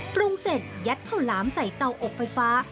ปรุงเสร็จยัดข้าวหลามใส่เตาอบไฟฟ้า